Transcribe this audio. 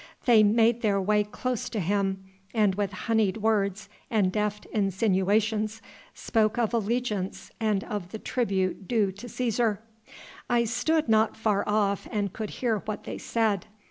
They made their way close to Him, and with honeyed words and deft insinuations, spoke of allegiance and of the tribute due to Cæsar. I stood not far off and could hear what they said.